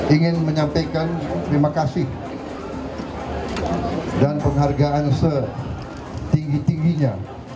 ingin menyampaikan terima kasih dan penghargaan setinggi tingginya